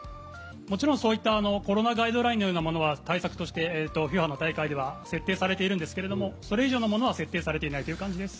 もちろんそういったコロナガイドラインのようなものは対策としてＦＩＦＡの大会では設定されているんですけれどもそれ以上のものは設定されてないという感じです。